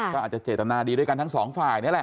ก็อาจจะเจตนาดีด้วยกันทั้งสองฝ่ายนี่แหละ